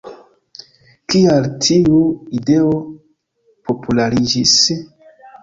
Kial tiu ideo populariĝis?